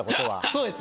そうです。